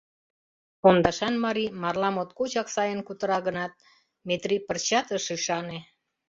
Пондашан марий марла моткочак сайын кутыра гынат, Метрий пырчат ыш ӱшане.